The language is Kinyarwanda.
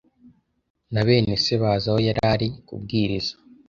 na bene se baza aho yari ari kubwiriza